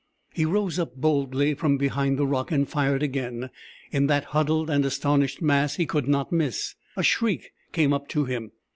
He rose up boldly from behind the rock and fired again. In that huddled and astonished mass he could not miss. A shriek came up to him.